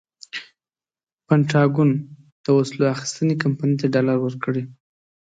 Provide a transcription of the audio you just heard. پنټاګون د وسلو اخیستنې کمپنۍ ته ډالر ورکړي.